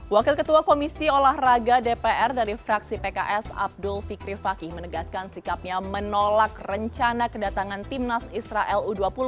wakil ketua komisi olahraga dpr dari fraksi pks abdul fikri fakih menegaskan sikapnya menolak rencana kedatangan timnas israel u dua puluh